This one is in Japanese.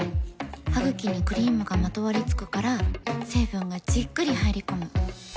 ハグキにクリームがまとわりつくから成分がじっくり入り込む。